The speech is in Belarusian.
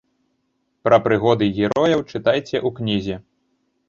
Пра прыгоды герояў чытайце ў кнізе.